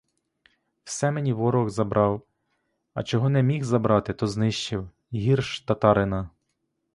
Все мені ворог забрав, а чого не міг забрати, то знищив, гірш татарина.